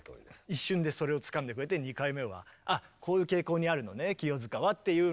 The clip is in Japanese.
一瞬でそれをつかんでくれて２回目は「あっこういう傾向にあるのね清塚は」っていうので。